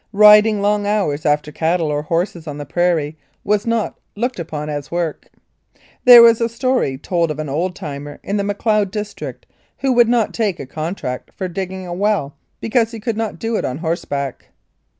Riding long hours after cattle or horses on the prairie was not looked upon as work. There was a story told of an old timer in the Macleod district who would not take a contract for digging a well because he could not do it on horseback.